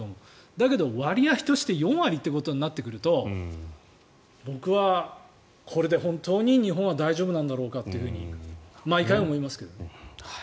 だけど割合として４割ってことになってくると僕はこれで本当に日本は大丈夫なんだろうかと毎回思いますけどね。